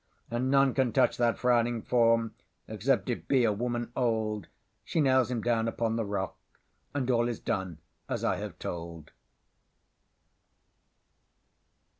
And none can touch that Frowning Form, Except it be a Woman Old; She nails him down upon the rock, And all is done as I have told.